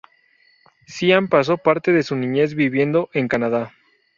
Sian pasó parte de su niñez viviendo en Canadá.